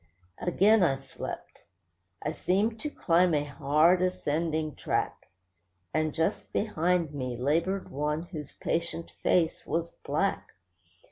Again I slept. I seemed to climb a hard, ascending track; And just behind me laboured one whose patient face was black.